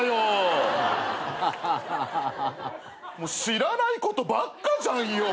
知らないことばっかじゃんよ